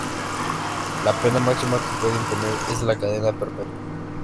La pena máxima que puede imponer es la de cadena perpetua.